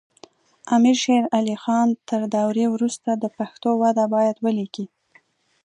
امیر شیر علی خان تر دورې وروسته د پښتو وده باید ولیکي.